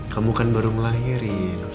kamu kan baru melahirin